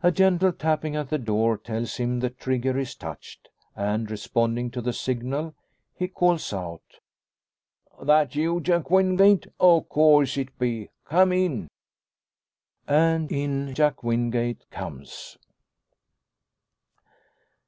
A gentle tapping at the door tells him the trigger is touched; and, responding to the signal, he calls out "That you, Jack Wingate? O' course it be. Come in!" And in Jack Wingate comes.